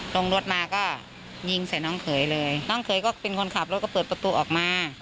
ลงรถมาก็ยิงใส่น้องเขยเลยน้องเขยก็เป็นคนขับรถก็เปิดประตูออกมา